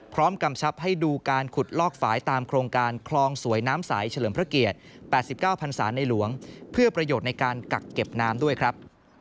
กำชับให้ดูการขุดลอกฝ่ายตามโครงการคลองสวยน้ำใสเฉลิมพระเกียรติ๘๙พันศาในหลวงเพื่อประโยชน์ในการกักเก็บน้ำด้วยครับ